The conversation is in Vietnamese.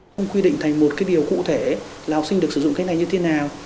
không quy định thành một cái điều cụ thể là học sinh được sử dụng cách này như thế nào